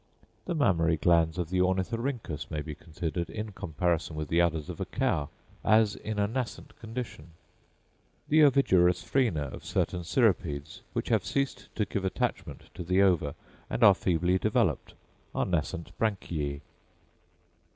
The mammary glands of the Ornithorhynchus may be considered, in comparison with the udders of a cow, as in a nascent condition. The ovigerous frena of certain cirripedes, which have ceased to give attachment to the ova and are feebly developed, are nascent branchiæ.